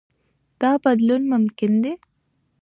دا بدلون ممکن دی.